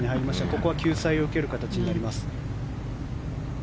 ここは救済を受ける形になります。